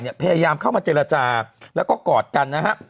พยายามเข้ามาเจรจาแล้วก็กอดกันนะฮะ